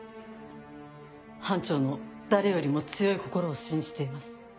班長の誰よりも強い心を信じています。